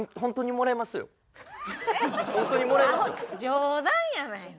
冗談やないか。